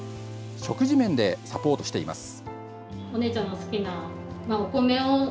食事面でサポートしています。